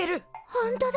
ほんとだ。